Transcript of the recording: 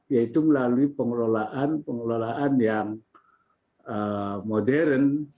yaitu melalui pengelolaan pengelolaan yang modern